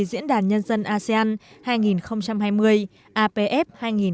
diễn đàn nhân dân asean hai nghìn hai mươi apf hai nghìn hai mươi